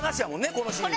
このシーンは。